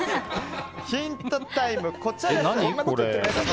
ヒントタイム、こちらです。